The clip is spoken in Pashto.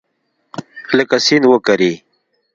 لکه سیند وکرې